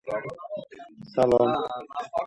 Diqqat! Test sinovlarida yangi imtiyozlar belgilandi